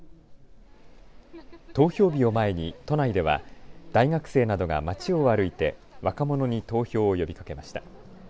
投票日を前に都内では大学生などが街を歩いて若者に投票を呼びかけました。